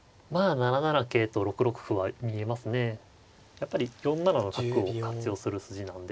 やっぱり４七の角を活用する筋なんで。